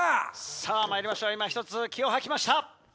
さぁまいりましょう今ひとつ気を吐きました。